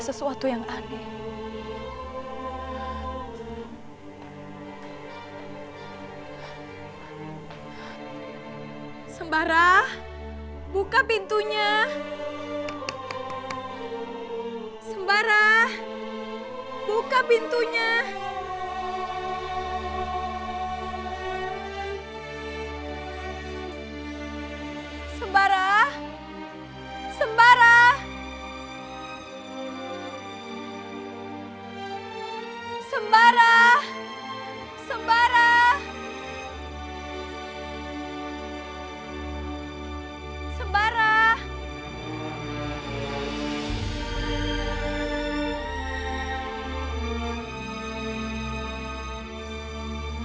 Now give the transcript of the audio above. sedangkan sudah bers compromosi